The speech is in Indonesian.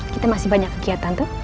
kita masih banyak kegiatan tuh